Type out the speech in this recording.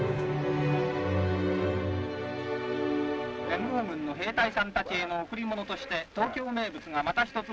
「連合軍の兵隊さんたちへの贈り物として東京名物がまた一つ増えました。